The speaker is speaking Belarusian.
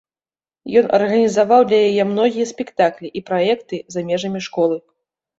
Ён арганізаваў для яе многія спектаклі і праекты за межамі школы.